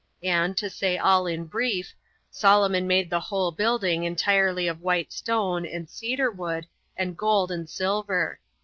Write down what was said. And, to say all in brief, Solomon made the whole building entirely of white stone, and cedar wood, and gold, and silver.